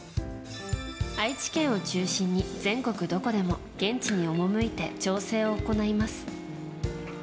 愛知県を中心に全国どこでも現地に赴いて調整を行います。